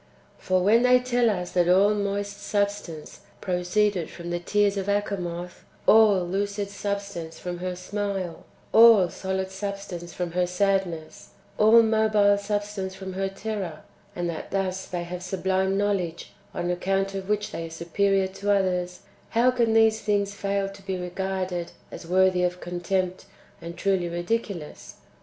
3. For, when they tell us that all moist substance pro ceeded from the tears of Achamoth, all lucid substance from her smile, all solid substance from her sadness, all mobile substance from her terror, and that thus they have sublime knowledge on account of which they are superior to others, — how can these things fail to be regarded as worthy of con tempt, and truly ridiculous